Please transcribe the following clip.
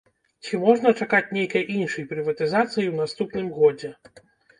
Ці можна чакаць нейкай іншай прыватызацыі ў наступным годзе?